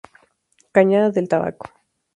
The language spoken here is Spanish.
Cañada del Tabaco.